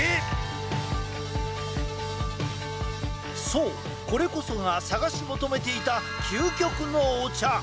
そう、これこそが探し求めていた究極のお茶！